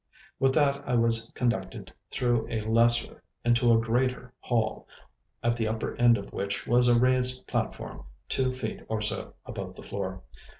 With that I was conducted through a lesser into a greater hall, at the upper end of which was a raised platform, two feet or so above the floor.